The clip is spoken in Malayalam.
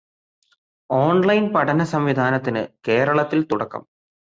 ഓണ്ലൈന് പഠനസംവിധാനത്തിന് കേരളത്തില് തുടക്കം.